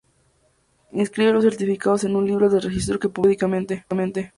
Inscriben los certificados en un libro de registro que publican periódicamente.